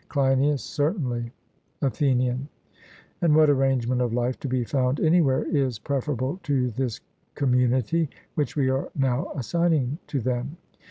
CLEINIAS: Certainly. ATHENIAN: And what arrangement of life to be found anywhere is preferable to this community which we are now assigning to them?